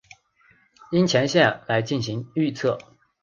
樱前线来进行预测。